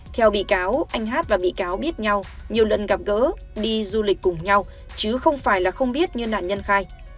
theo bị cáo anh hát và bị cáo biết nhau nhiều lần gặp gỡ đi du lịch cùng nhau chứ không phải là không biết như nạn nhân khai